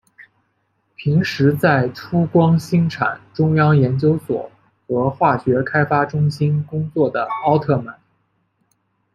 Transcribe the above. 平时在出光兴产中央研究所和化学开发中心工作的奥特曼。